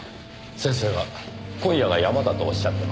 先生は今夜がヤマだとおっしゃってました。